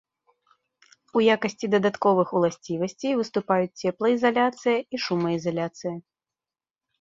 У якасці дадатковых уласцівасцей выступаюць цеплаізаляцыя і шумаізаляцыя.